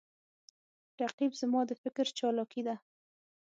رقیب زما د فکر چالاکي ده